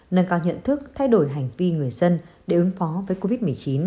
nâng cao nhận thức thay đổi hành vi người dân để ứng phó với covid một mươi chín